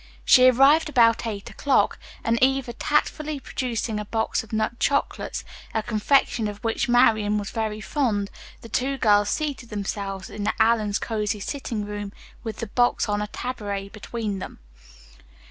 She arrived about eight o'clock, and Eva tactfully producing a box of nut chocolates, a confection of which Marian was very fond, the two girls seated themselves in the Allen's cozy sitting room, with the box on a taboret between them.